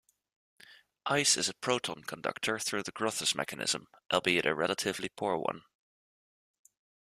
Ice is a proton conductor through the Grotthuss mechanism, albeit a relatively poor one.